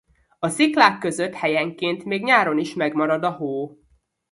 A sziklák között helyenként még nyáron is megmarad a hó.